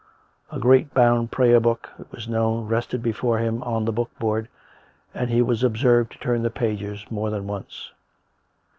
A great bound Prayer Book, it was known, rested before him on the book board, and he was observed to turn the pages more than once.